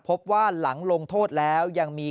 พบว่าหลังลงโทษแล้วยังมี